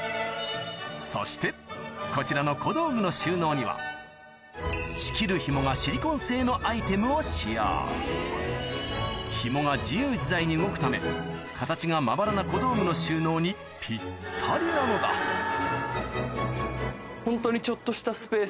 そしてこちらの小道具の収納には仕切るひもがシリコン製のアイテムを使用形がまばらな小道具の収納にぴったりなのだホントに。